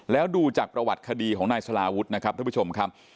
แล้วดูจากประวัติคดีของนายสลาวุฒินะครับท่านผู้ชมครับ